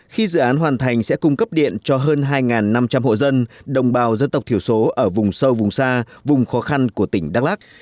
khi dự án hoàn thành sẽ cung cấp điện cho hơn hai năm trăm linh hộ dân đồng bào dân tộc thiểu số ở vùng sâu vùng xa vùng khó khăn của tỉnh đắk lắc